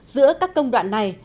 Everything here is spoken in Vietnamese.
giữa các công đoạn này